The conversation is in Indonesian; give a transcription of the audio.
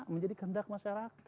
menjadi kendak masyarakat